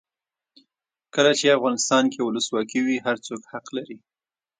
کله چې افغانستان کې ولسواکي وي هر څوک حق لري.